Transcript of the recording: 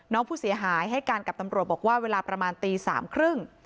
น้องผู้เสียหายให้การกับตำรวจบอกว่าเวลาประมาณตีสามครึ่ง